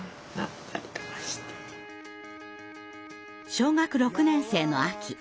小学６年生の秋